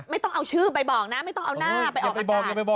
ไม่ต้องเอาชื่อไปบอกนะไม่ต้องเอาหน้าไปออกไปบอก